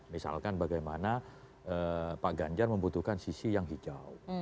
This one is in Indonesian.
misalkan bagaimana pak ganjar membutuhkan sisi yang hijau